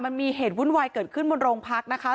มันมีเหตุวุ่นวายเกิดขึ้นบนโรงพักนะคะ